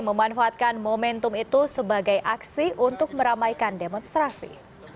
memanfaatkan momentum itu sebagai aksi untuk meramaikan demonstrasi